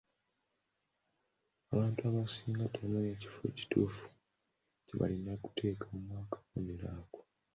Abantu abasinga tebamanyi kifo kituufu kye balina kuteekamu kabonero ako.